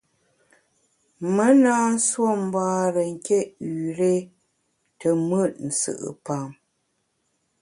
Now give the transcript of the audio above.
Me na nsuo mbare nké üré te mùt nsù’pam.